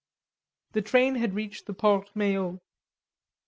The train had reached the Porte Maillot.